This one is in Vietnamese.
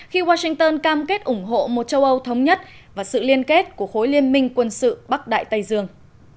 khi washington cam kết ủng hộ một châu âu thống nhất và sự liên kết của khối liên minh quân sự bắc đại tây dương